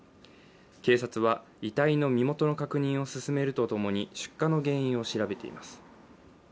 警察は遺体の身元の確認を進めるとともに出火の原因を調べています。